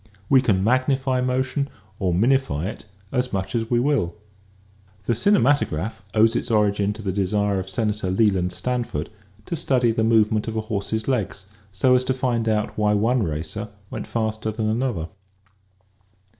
We can magnify motion or minify it as much as we will. The cinemat ograph owes its origin the desire of Senator Leland Stanford to study the movement of a horse's legs so as to find out why one racer went faster than another.